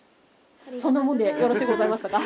そんなもんでよろしゅうございましたか？